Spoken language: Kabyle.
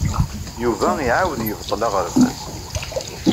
Yuba iɛawed yebṭel aɣerbaz.